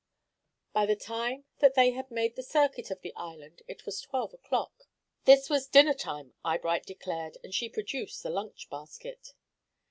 By the time that they had made the circuit of the island it was twelve o'clock. This was dinner time, Eyebright declared, and she produced the lunch basket.